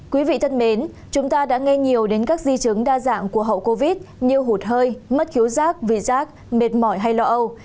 quý vị thân mến chúng ta đã nghe nhiều đến các di chứng đa dạng của hậu covid như hụt hơi mất khiếu giác vị giác mệt mỏi hay lo âu